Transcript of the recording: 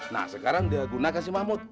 nah sekarang dia gunakan si mahmud